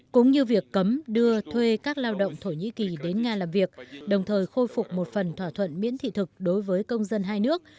cũng như việc cấm đưa thuê các lao động thổ nhĩ kỳ đến nga làm việc đồng thời khôi phục một phần thỏa thuận miễn thị thực đối với công dân hai nước